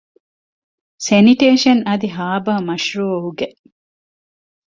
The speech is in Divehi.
ސެނިޓޭޝަން އަދި ހާރބަރ މަޝްރޫޢުގެ